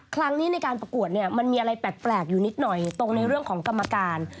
ครั้งนี้ในการประกวดเนี่ยมันมีอะไรแปลกอยู่นิดหน่อยตรงในเรื่องของกรรมการ